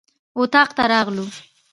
اطاق ته راغلو.